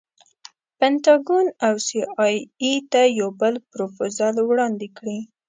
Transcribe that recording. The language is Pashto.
پنټاګون او سي ای اې ته یو بل پروفوزل وړاندې کړي.